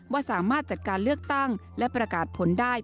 ว่าสามารถจัดการเลือกตั้งและประกาศผลได้